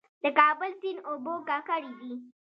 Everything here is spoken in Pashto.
د کابل سیند اوبه ککړې دي؟